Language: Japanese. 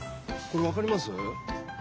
これわかります？